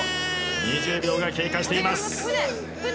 ２０秒が経過しています。